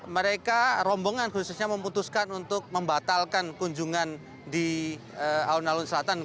mereka rombongan khususnya memutuskan untuk membatalkan kunjungan di alun alun selatan